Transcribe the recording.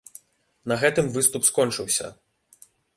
На гэтым выступ скончыўся.